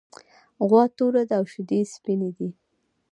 غوا توره ده او شیدې یې سپینې دي.